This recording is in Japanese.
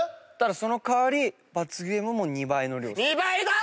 その代わり罰ゲームも２倍の量。